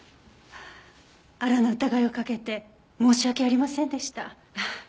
あらぬ疑いをかけて申し訳ありませんでした。